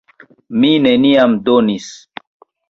Mi neniam donis.